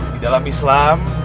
di dalam islam